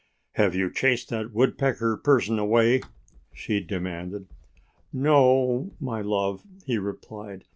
"Have you chased that Woodpecker person away?" she demanded. "No, my love," he replied.